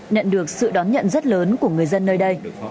nhận được sự đón nhận rất lớn của người dân nơi đây